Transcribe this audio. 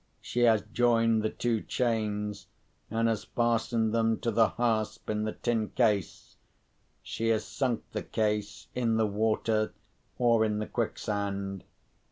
She has joined the two chains, and has fastened them to the hasp in the tin case. She has sunk the case, in the water or in the quicksand.